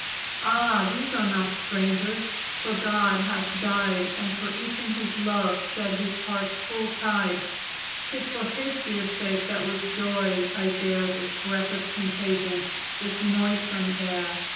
V. "Ah! these are not strangers, for God hath died; And for each in His love shed His heart's full tide; 'Tis for His dear sake that with joy I bear, This breath of contagion; this noisome air.